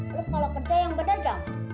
lo kalau kerja yang bener dong